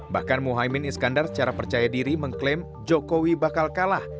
bahkan muhaymin iskandar secara percaya diri mengklaim jokowi bakal kalah